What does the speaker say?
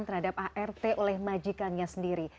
terhadap art oleh majikannya sendiri